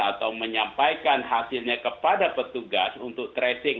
atau menyampaikan hasilnya kepada petugas untuk tracing